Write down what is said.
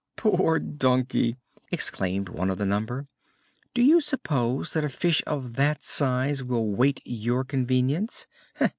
"Poor donkey!" exclaimed one of the number. "Do you suppose that a fish of that size will wait your convenience?